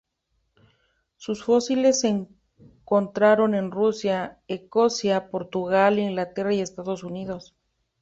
Sus fósiles se encontraron en Rusia, Escocia, Portugal, Inglaterra y Estados Unidos.